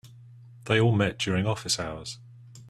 They all met during office hours.